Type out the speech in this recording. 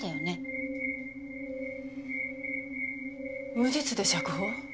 無実で釈放？